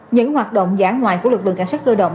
những hoạt động dã ngoại của lực lượng cảnh sát cơ động